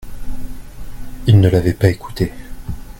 Ils ne l'avaient pas écoutée.